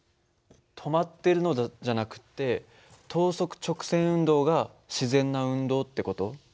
止まってるのじゃなくて等速直線運動が自然な運動って事？